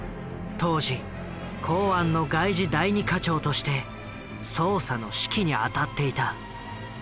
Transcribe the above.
当時公安の外事第二課長として捜査の指揮にあたっていた。